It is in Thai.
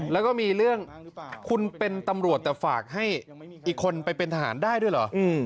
แล้วก็มีเรื่องคุณเป็นตำรวจแต่ฝากให้อีกคนไปเป็นทหารได้ด้วยเหรอ